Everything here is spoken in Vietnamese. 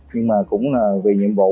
nhưng mà cũng vì nhiệm vụ